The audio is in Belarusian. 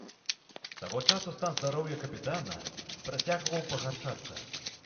З таго часу стан здароўя капітана працягваў пагаршацца.